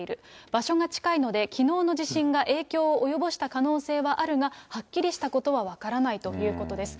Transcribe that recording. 場所が近いので、きのうの地震が影響を及ぼした可能性はあるが、はっきりしたことは分からないということです。